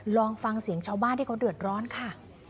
ลองฟังเสียงชาวบ้านที่เขาเดือดร้อนค่ะ